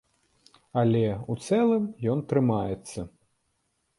Але, у цэлым, ён трымаецца.